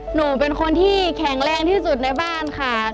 หนูเป็นคนที่แข็งแรงที่สุดในบ้านค่ะ